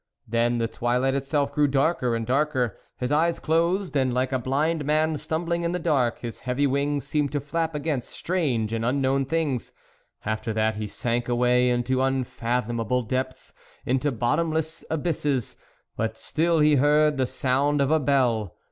Then the twilight itself grew darker and darker ; his eyes closed, and like a blind man stumbling in the dark, his heavy wings seemed to flap against strange and un known things. After that he sank away into unfathomable depths, into bottom less abysses, but still he heard the sound of a bell.